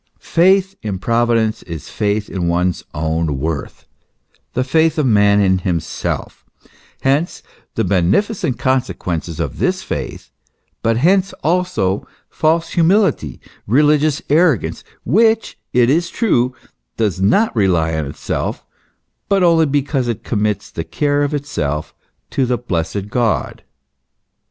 Faith in Providence is faith in one's own worth, the faith of man in himself; hence the beneficent consequences of this faith, but hence also false humility, religious arrogance, which, it is true, does not rely on itself, but only because it commits the care of itself to the blessed God.